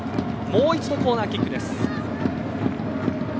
もう一度コーナーキックです。